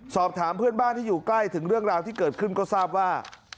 สอบถามเพื่อนบ้านที่อยู่ใกล้ถึงเรื่องราวที่เกิดขึ้นก็ทราบว่า